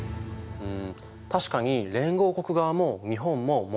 うん。